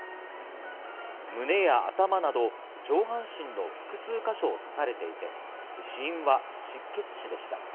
胸や頭など上半身の複数か所を刺されていて、死因は失血死でした。